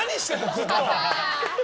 ずっと。